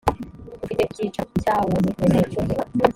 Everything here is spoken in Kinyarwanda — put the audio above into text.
ufite icyicaro cyawomu murenge wa cyuve